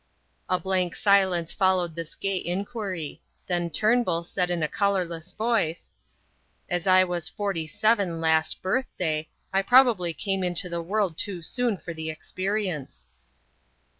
A blank silence followed this gay inquiry. Then Turnbull said in a colourless voice: "As I was forty seven last birthday, I probably came into the world too soon for the experience."